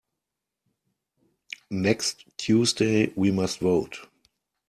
Next Tuesday we must vote.